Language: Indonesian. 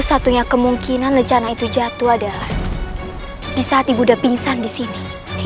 satu yang kemungkinan rencana itu jatuh adalah bisa tiba tiba pingsan di sini